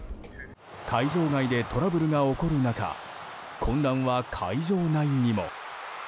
会場外でトラブルが起こる中混乱は会場内にも。